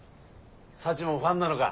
サチもファンなのか。